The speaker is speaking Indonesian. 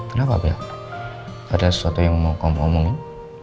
kenapa pak ada sesuatu yang mau kamu omongin